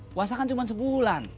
puasa kan cuma sebulan